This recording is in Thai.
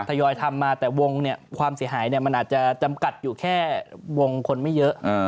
ทยอยทำมาแต่วงเนี่ยความเสียหายมันอาจจะจำกัดอยู่แค่วงคนไม่เยอะ